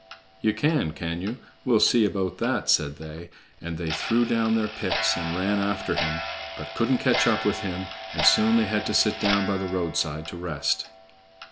"Ye can, can ye? We'll see about that," said they; and they threw down their picks and ran after him, but couldn't catch up with him, and soon they had to sit down by the roadside to rest.